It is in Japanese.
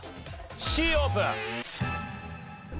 Ｃオープン。